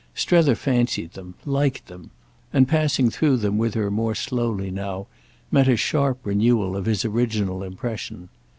Strether fancied them, liked them, and, passing through them with her more slowly now, met a sharp renewal of his original impression.